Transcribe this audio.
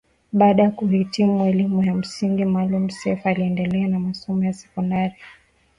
Baada ya kuhitimu elimu ya msingi Maalim Seif aliendelea na masomo ya sekondari